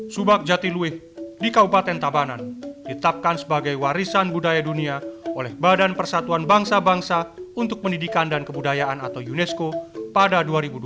subak jatiluwe di kabupaten tabanan ditapkan sebagai warisan budaya dunia oleh badan persatuan bangsa bangsa untuk pendidikan dan kebudayaan atau unesco pada dua ribu dua belas